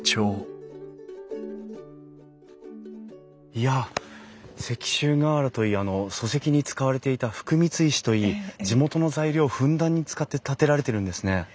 いや石州瓦といい礎石に使われていた福光石といい地元の材料をふんだんに使って建てられてるんですね。